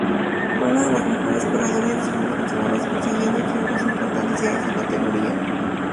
Fue uno de los mejores corredores juniors nacionales consiguiendo triunfos importantes en esa categoría.